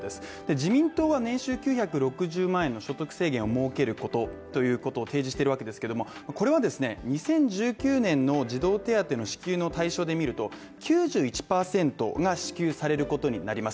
自民党は年収９６０万円の所得制限を設けることということを提示してるわけですけどもこれは、２０１９年の児童手当の支給の対象で見ると、９１％が支給されることになります